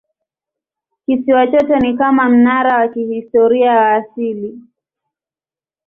Kisiwa chote ni kama mnara wa kihistoria wa asili.